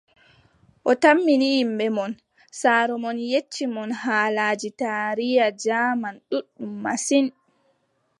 O tammi ni yimɓe mon, saaro mon yecci mon haalaaji taariya jaaman ɗuuɗɗum masin.